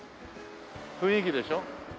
雰囲気でしょ？